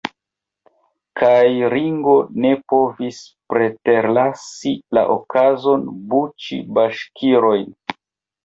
Kaj Ringo ne povis preterlasi la okazon buĉi baŝkirojn.